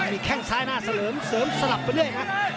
ใกล้ข้างซ้ายหน้าเสลิมสลับไปด้วยครับ